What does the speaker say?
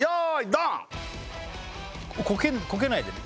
ドンこけないでね